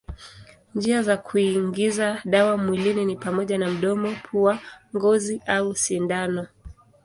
Njia za kuingiza dawa mwilini ni pamoja na mdomo, pua, ngozi au sindano.